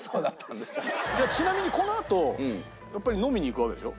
ちなみにこのあとやっぱり飲みに行くわけでしょ？